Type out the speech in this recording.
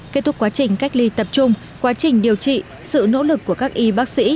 kết thúc quá trình cách ly tập trung quá trình điều trị sự nỗ lực của các y bác sĩ